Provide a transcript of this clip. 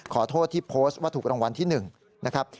ขอโทษที่โพสต์ว่าถูกรางวัลที่๑นะครับ